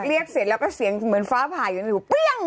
เรียกเสร็จแล้วเสียงเหมือนฟ้าผ่ายอยู่